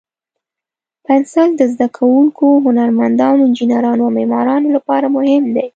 پنسل د زده کوونکو، هنرمندانو، انجینرانو، او معمارانو لپاره مهم دی.